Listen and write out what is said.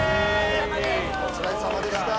お疲れさまです！